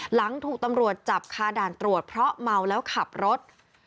หลังถูกตำรวจจับคาด่านตรวจเพราะเมาแล้วขับรถ